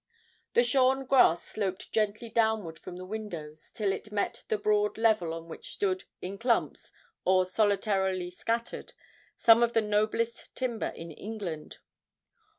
The shorn grass sloped gently downward from the windows till it met the broad level on which stood, in clumps, or solitarily scattered, some of the noblest timber in England.